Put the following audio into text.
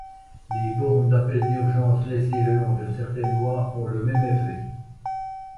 Les bornes d'appel d'urgence laissés le long de certaines voies ont le même effet.